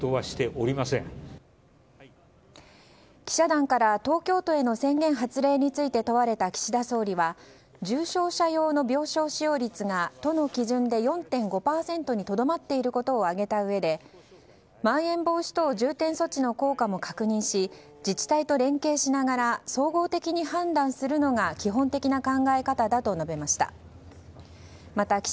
記者団から東京都への宣言発令を問われた岸田総理は重症者用の病床使用率が都の基準で４．５％にとどまっていることを挙げたうえでまん延防止等重点措置の効果も確認し自治体と連携しながら総合的に判断するのが基本的な考え方だと述べました。